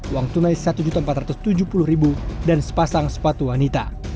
uang tunai rp satu empat ratus tujuh puluh dan sepasang sepatu wanita